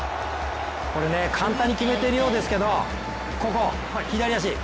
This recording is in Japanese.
簡単に決めているようですけど、ここの左足。